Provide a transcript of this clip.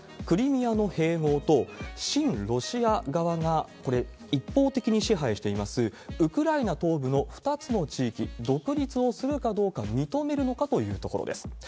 クリミアの併合と、親ロシア側がこれ、一方的に支配していますウクライナ東部の２つの地域、独立をするかどうか認めるのかというところです。